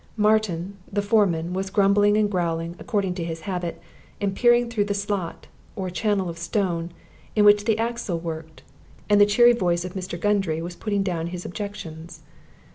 Martin, the foreman, was grumbling and growling, according to his habit, and peering through the slot, or channel of stone, in which the axle worked, and the cheery voice of Mr. Gundry was putting down his objections.